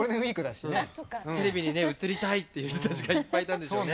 テレビにね映りたいっていう人たちがいっぱいいたんでしょうね。